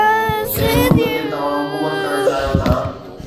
جنهن ملڪ تي توهان حڪومت ڪرڻ چاهيو ٿا